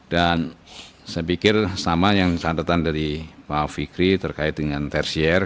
dan saya pikir sama yang syaratan dari pak fikri terkait dengan tersier